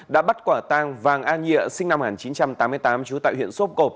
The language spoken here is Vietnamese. đã bắt quả tang vàng an nhịa sinh năm một nghìn chín trăm tám mươi tám chú tại huyện sốp cộp